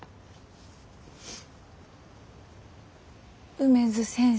梅津先生。